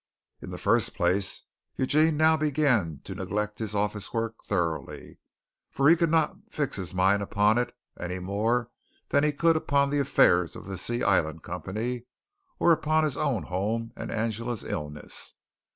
In the first place Eugene now began to neglect his office work thoroughly, for he could not fix his mind upon it any more than he could upon the affairs of the Sea Island Company, or upon his own home and Angela's illness.